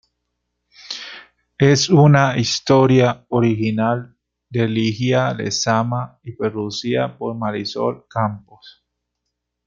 Es una historia original de Ligia Lezama y producida por Marisol Campos.